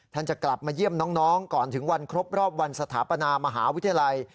จะกลับมาเยี่ยมน้องก่อนถึงวันครบรอบวันสถาปนามหาวิทยาลัย